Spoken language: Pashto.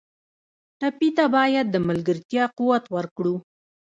ټپي ته باید د ملګرتیا قوت ورکړو.